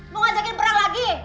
lu ngajakin perang lagi